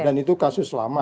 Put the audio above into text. dan itu kasus lama